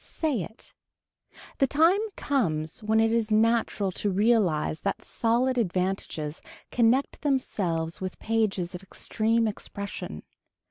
Say it. The time comes when it is natural to realize that solid advantages connect themselves with pages of extreme expression.